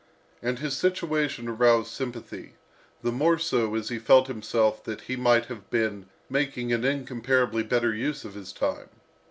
And his situation aroused sympathy, the more so, as he felt himself that he might have been making an incomparably better use of his time.